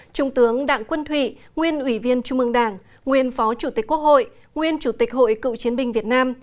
trung tướng đảng quân thủy nguyên ủy viên trung ương đảng nguyên phó chủ tịch quốc hội nguyên chủ tịch hội cựu chiến binh việt nam